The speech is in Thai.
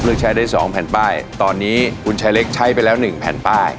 เลือกใช้ได้๒แผ่นป้ายตอนนี้คุณชายเล็กใช้ไปแล้ว๑แผ่นป้าย